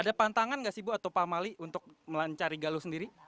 ada pantangan nggak sih bu atau pak mali untuk mencari galuh sendiri